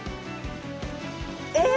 え！